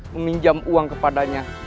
meminjam uang kepadanya